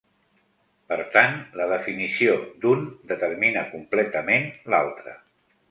Per tant, la definició d'un determina completament l'altre.